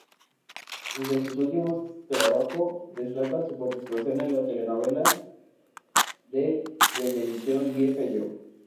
Entre sus últimos trabajo destaca su participación en la telenovela de Venevisión "¿Vieja yo?